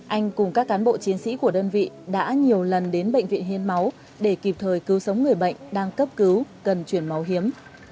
anh cùng các cán bộ chiến sĩ của đơn vị đã nhiều lần đến bệnh viện hiến máu để kịp thời cứu sống người bệnh đang cấp cứu cần chuyển máu hiếm